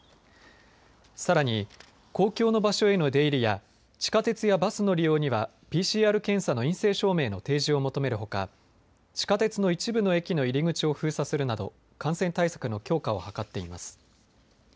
さらに、公共の場所への出入りや地下鉄やバスの利用にはＰＣＲ検査の陰性証明の提示を求めるほか地下鉄の一部の駅の入り口を封鎖するなど感染対策の強化を図っています。